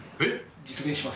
実現します。